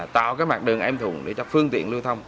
tạo cái mặt đường em thùng để cho phương tiện lưu thông